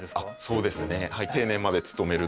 そうですね。